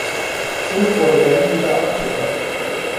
Somit wurde Bennie wieder Amateur.